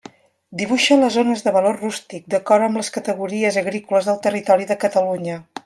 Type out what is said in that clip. Dibuixa les zones de valor rústic, d'acord amb les categories agrícoles del territori de Catalunya.